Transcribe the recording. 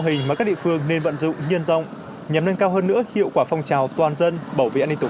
hình mà các địa phương nên vận dụng nhân rộng nhằm nâng cao hơn nữa hiệu quả phong trào toàn dân bảo